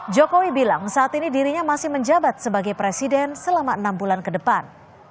jokowi bilang saat ini dirinya masih menjabat sebagai presiden selama enam bulan ke depan